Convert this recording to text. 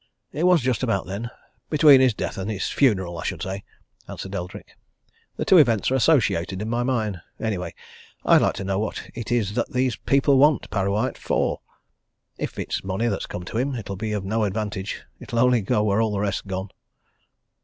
"It was just about then between his death and his funeral I should say," answered Eldrick, "The two events are associated in my mind. Anyway, I'd like to know what it is that these people want Parrawhite for. If it's money that's come to him, it'll be of no advantage it'll only go where all the rest's gone."